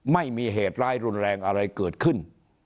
ไม่มีเหตุร้ายรุนแรงอะไรเกิดขึ้น